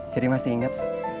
jadi masih inget